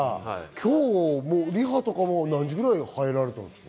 今日、リハとか何時頃、入られたんですか？